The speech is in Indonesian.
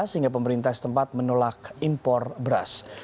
sehingga pemerintah setempat menolak impor beras